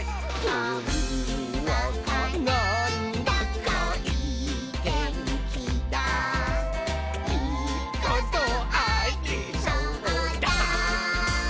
「ほんわかなんだかいいてんきだいいことありそうだ！」